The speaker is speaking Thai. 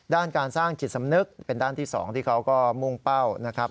ด้านการสร้างจิตสำนึกเป็นด้านที่๒ที่เขาก็มุ่งเป้านะครับ